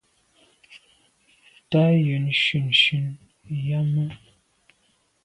Tàa yen shunshun yàme.